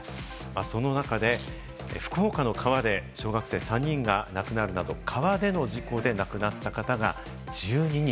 その中で福岡の川で小学生３人が亡くなるなど、川での事故で亡くなった方が１２人。